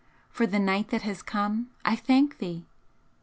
For the night that has come, I thank Thee!